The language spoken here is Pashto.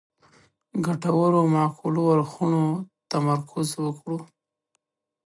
ګټورو معقولو اړخونو تمرکز وکړو.